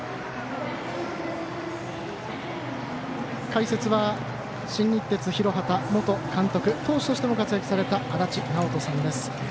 解説は新日鉄広畑元監督、投手としても活躍された足達尚人さんです。